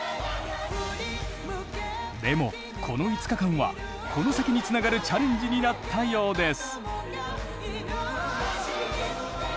でもこの５日間はこの先につながるチャレンジになったようです。